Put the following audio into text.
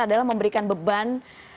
adalah memberikan beban